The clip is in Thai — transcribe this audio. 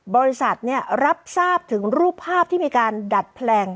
บริษัทรับทราบถึงรูปภาพที่มีการดัดแปลง